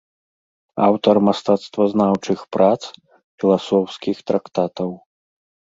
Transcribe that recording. Аўтар мастацтвазнаўчых прац, філасофскіх трактатаў.